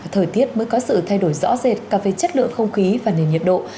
thời tiết mới có sự thay đổi rõ rệt cả về chất lượng không khí và nền nhiệt độ